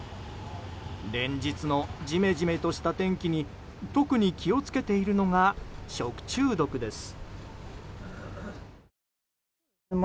連日のジメジメとした天気に特に気をつけているのが食中毒です。